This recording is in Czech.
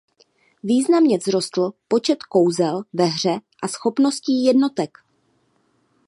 Významně vzrostl počet kouzel ve hře a schopností jednotek.